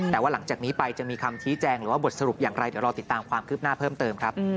แต่ว่าหลังจากนี้ไปจะมีคำชี้แจงหรือว่าบทสรุปอย่างไรเดี๋ยวรอติดตามความคืบหน้าเพิ่มเติมครับ